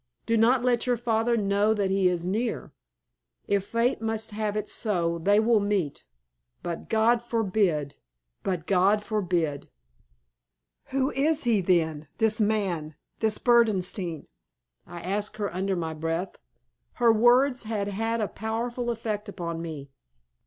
Do not let your father know that he is near. If fate must have it so, they will meet. But God forbid! but God forbid!" "Who is he, then, this man, this Berdenstein?" I asked her under my breath. Her words had had a powerful effect upon me.